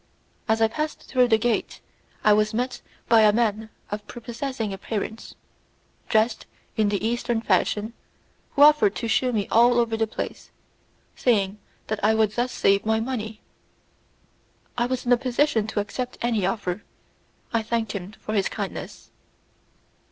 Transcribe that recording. As I passed through the gate, I was met by a man of prepossessing appearance, dressed in the eastern fashion, who offered to shew me all over the palace, saying that I would thus save my money. I was in a position to accept any offer; I thanked him for his kindness.